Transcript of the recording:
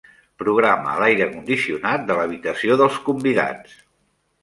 Programa l'aire condicionat de l'habitació dels convidats.